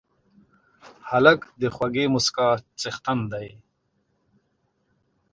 هلک د خوږې موسکا څښتن دی.